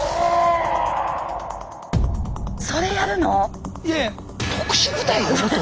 それやるの⁉